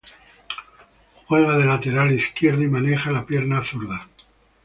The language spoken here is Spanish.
Juega de Lateral izquierdo y maneja la pierna zurda.